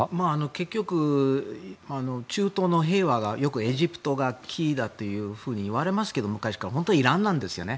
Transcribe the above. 結局、中東の平和がよくエジプトがキーだというふうにいわれますが、昔から本当はイランなんですよね。